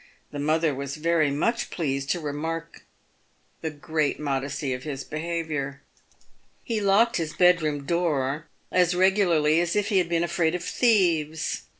The mother was very much pleased to remark the great modesty of his behaviour. He locked his bedroom door as regularly as if he had been afraid of thieves.